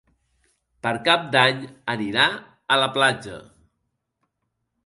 Per Cap d'Any anirà a la platja.